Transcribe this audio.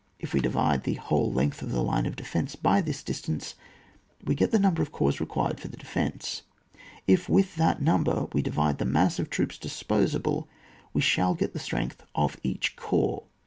If we divide the whole length of the line of defence by this distance, we get the number of corps required for the defence ; if with that number we divide the mass of troops disposable, wo shall get the strength of each corps.